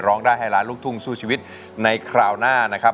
ร้องได้ให้ล้านลูกทุ่งสู้ชีวิตในคราวหน้านะครับ